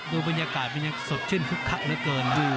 ดูบรรยากาศมันยังสดชื่นขึ้นขับมาเกิน